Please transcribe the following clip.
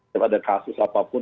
kalau ada kasus apapun